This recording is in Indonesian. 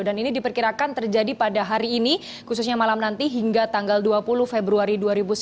dan ini diperkirakan terjadi pada hari ini khususnya malam nanti hingga tanggal dua puluh februari dua ribu sembilan belas